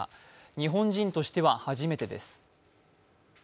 日本人としては初めてです。